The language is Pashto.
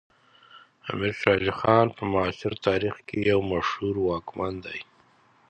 امیر شیر علی خان په معاصر تاریخ کې یو مشهور واکمن دی.